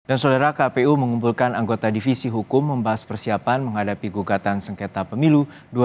dan saudara kpu mengumpulkan anggota divisi hukum membahas persiapan menghadapi gugatan sengketa pemilu dua ribu dua puluh empat